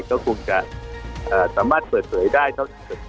ก็คงจะสามารถเปิดเผยได้เท่าที่สุด